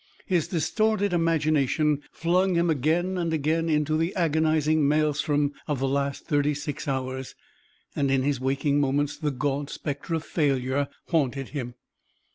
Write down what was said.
His distorted imagination flung him again and again into the agonizing maelstrom of the last thirty six hours, and in his waking moments the gaunt spectre of failure haunted him.